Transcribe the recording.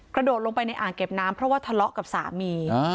กระโดดลงไปในอ่างเก็บน้ำเพราะว่าทะเลาะกับสามี